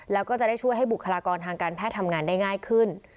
แล้วก็จะได้ช่วยให้บุคลากรทางการแพทย์ทำงานได้ง่ายขึ้น